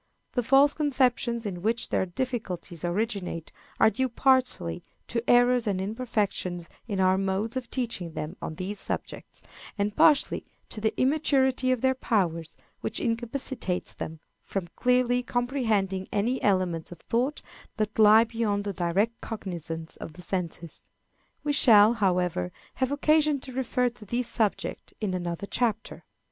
The false conceptions in which their difficulties originate are due partly to errors and imperfections in our modes of teaching them on these subjects, and partly to the immaturity of their powers, which incapacitates them from clearly comprehending any elements of thought that lie beyond the direct cognizance of the senses. We shall, however, have occasion to refer to this subject in another chapter.